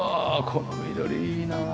この緑いいなあ。